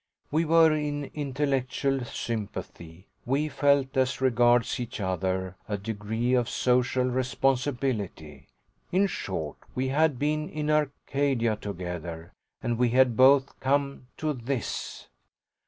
We were in intellectual sympathy we felt, as regards each other, a degree of social responsibility. In short we had been in Arcadia together, and we had both come to THIS!